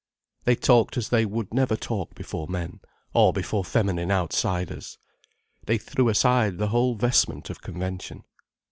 They talked as they would never talk before men, or before feminine outsiders. They threw aside the whole vestment of convention.